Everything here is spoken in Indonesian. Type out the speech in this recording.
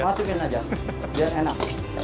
masukin aja biar enak